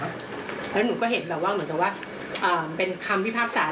แล้วหนูก็เห็นแบบว่าเหมือนกับว่าเป็นคำพิพากษา